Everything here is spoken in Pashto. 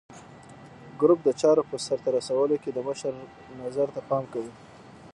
ګروپ د چارو په سرته رسولو کې د مشر نظر ته پام کوي.